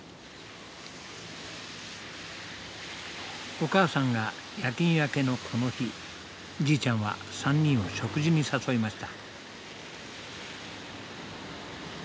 お母さんが夜勤明けのこの日じいちゃんは３人を食事に誘いました。